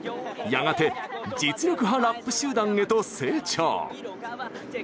やがて実力派ラップ集団へと成長。